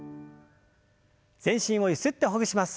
全身をゆすってほぐします。